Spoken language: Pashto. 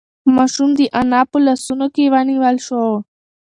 ماشوم د انا په لاسونو کې ونیول شو.